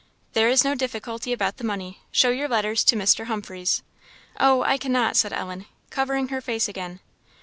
"There is no difficulty about the money. Show your letters to Mr. Humphreys." "Oh, I cannot!" said Ellen, covering her face again.